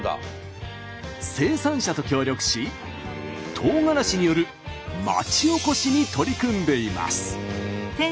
生産者と協力しとうがらしによる町おこしに取り組んでいます。